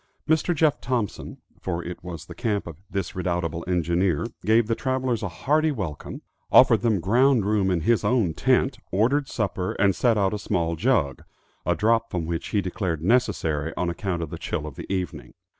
Mr. Jeff Thompson, for it was the camp of this redoubtable engineer, gave the travelers a hearty welcome, offered them ground room in his own tent, ordered supper, and set out a small jug, a drop from which he declared necessary on account of the chill of the evening.